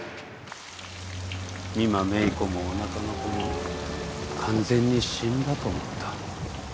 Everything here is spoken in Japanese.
美馬芽衣子もお腹の子も完全に死んだと思った。